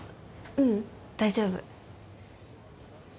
うん大丈夫